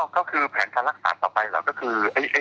ก็คือแผนการรักษาต่อไปเราก็คือ